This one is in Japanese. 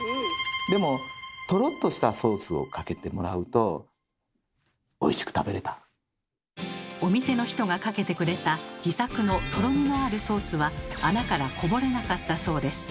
でもお店の人がかけてくれた自作のとろみのあるソースは穴からこぼれなかったそうです。